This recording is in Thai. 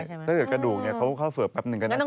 ถ้าเกิดกระดูกเนี่ยเขาก็เข้าเฝิบแป๊บนึงก็น่าจะได้